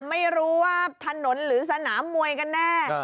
ไม่รู้ว่าถนนหรือสนามมวยกันแน่